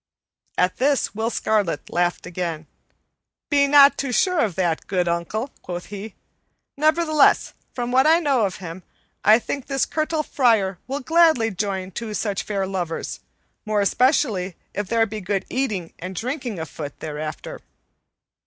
At this Will Scarlet laughed again. "Be not too sure of that, good uncle," quoth he, "nevertheless, from what I know of him, I think this Curtal Friar will gladly join two such fair lovers, more especially if there be good eating and drinking afoot thereafter."